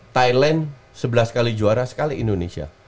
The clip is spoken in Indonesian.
thailand sebelas kali juara sekali indonesia